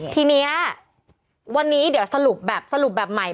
ทีนี้วันนี้เดี๋ยวสรุปแบบใหม่